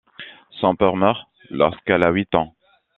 Son père meurt lorsqu'elle a huit ans.